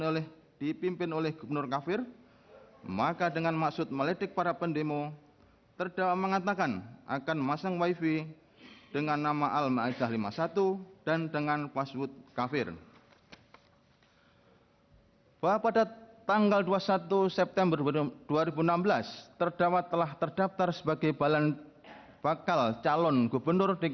kepulauan seribu kepulauan seribu